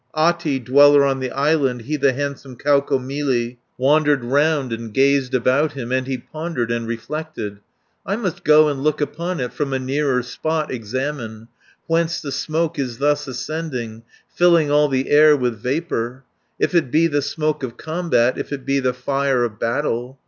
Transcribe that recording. Ahti, dweller on the island, He the handsome Kaukomieli, Wandered round and gazed about him, And he pondered and reflected, 470 "I must go and look upon it, From a nearer spot examine, Whence the smoke is thus ascending Filling all the air with vapour, If it be the smoke of combat, If it be the fire of battle."